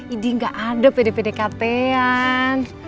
ini gak ada pdkt an